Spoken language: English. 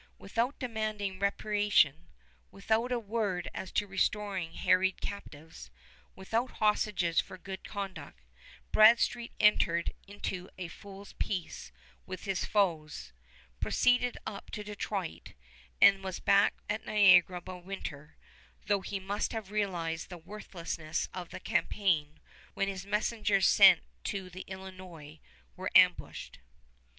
Without demanding reparation, without a word as to restoring harried captives, without hostages for good conduct, Bradstreet entered into a fool's peace with his foes, proceeded up to Detroit, and was back at Niagara by winter; though he must have realized the worthlessness of the campaign when his messengers sent to the Illinois were ambushed.